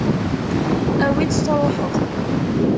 Awi-tt, tṛuḥeḍ.